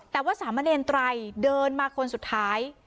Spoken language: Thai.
แต่ว่าสามเณรไตรเดินมาคนสุดท้าย